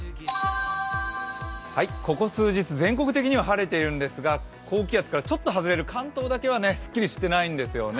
ここ数日、全国的には晴れているんですが、高気圧からちょっと外れる関東だけはすっきりしてないんですよね。